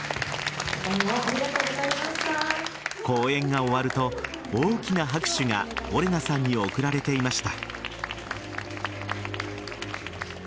公演が終わると、大きな拍手がオレナさんに送られていました。